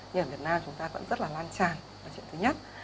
nhưng ở việt nam chúng ta vẫn rất là lan tràn là chuyện thứ nhất